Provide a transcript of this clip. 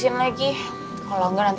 kalau enggak nanti kena deng enggak enak juga